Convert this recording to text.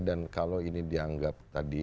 dan kalau ini dianggap tadi